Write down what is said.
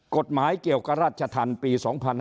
กฎหมายเกี่ยวกับราชธรรมปี๒๕๕๙